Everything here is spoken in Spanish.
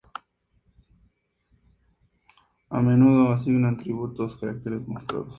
Los modos texto a menudo asignan atributos a los caracteres mostrados.